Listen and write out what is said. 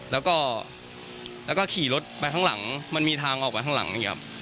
แล้วก็ขี่รถไปข้างหลังมันมีทางออกไปข้างหลัง